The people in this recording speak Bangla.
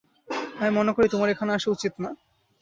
আমি মনেকরি তোমার এখানে আসা উচিত না।